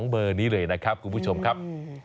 เบอร์นี้เลยนะครับคุณผู้ชมครับ